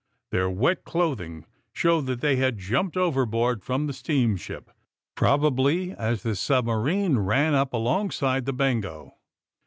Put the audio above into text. Their wet clothing showed that they had jumped overboard from the steamship, probably as the submarine ran up alongside the ''Bengo."